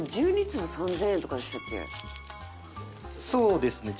１２粒３５００円そうですね。